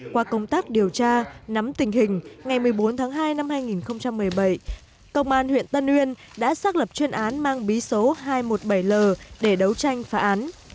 qua công tác điều tra nắm tình hình ngày một mươi bốn tháng hai năm hai nghìn một mươi bảy công an huyện tân uyên đã xác lập chuyên án mang bí số hai trăm một mươi bảy l để đấu tranh phá án